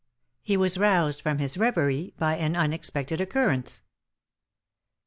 He was roused from his reverie by an unexpected occurrence.